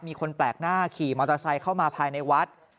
มีคนแปลกหน้าขี่มอเตอร์ไซค์เข้ามาภายในวัด